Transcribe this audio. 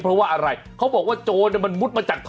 เพราะว่าอะไรเขาบอกว่าโจรมันมุดมาจากท่อ